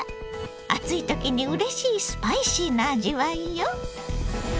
暑い時にうれしいスパイシーな味わいよ。